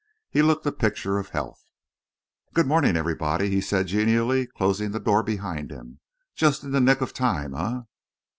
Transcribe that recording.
He looked the picture of health. "Good morning, everybody," he said genially, closing the door behind him. "Just in the nick of time, eh?"